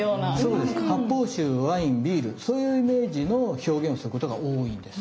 そうです発泡酒ワインビールそういうイメージの表現をすることが多いんです。